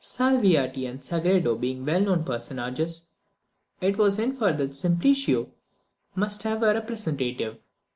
Salviati and Sagredo being well known personages, it was inferred that Simplicio must also have a representative.